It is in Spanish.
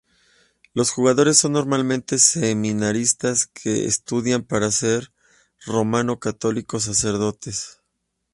Los jugadores son normalmente seminaristas que estudian para ser romano católicos sacerdotes.